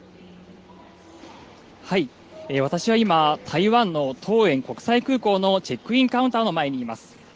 私は今、台湾の桃園国際空港のチェックインカウンターの前にいます。